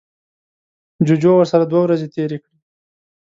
جوجو ورسره دوه ورځې تیرې کړې.